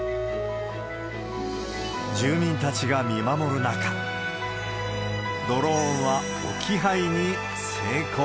住民たちが見守る中、ドローンは置き配に成功。